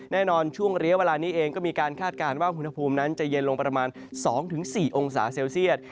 ในช่วงระยะเวลานี้เองก็มีการคาดการณ์ว่าอุณหภูมินั้นจะเย็นลงประมาณ๒๔องศาเซลเซียต